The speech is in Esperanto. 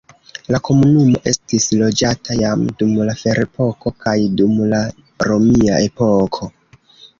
La komunumo estis loĝata jam dum la ferepoko kaj dum la romia epoko.